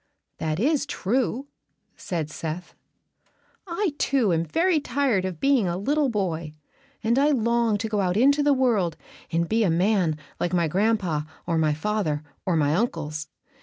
"That is true," said Seth. "I, too, am very tired of being a little boy, and I long to go out into the world and be a man like my gran'pa or my father or my uncles.